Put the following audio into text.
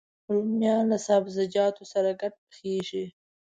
رومیان له سابهجاتو سره ګډ پخېږي